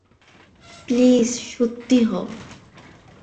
Please সত্যি হও।